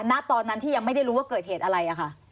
ณตอนนั้นที่ยังไม่ได้รู้ว่าเกิดเหตุอะไรอะค่ะ